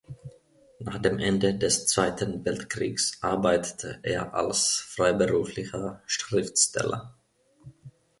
Nach dem Ende des Zweiten Weltkriegs arbeitete er als freiberuflicher Schriftsteller.